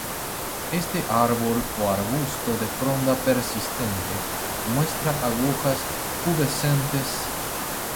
Este árbol o arbusto de fronda persistente, muestra agujas pubescentes.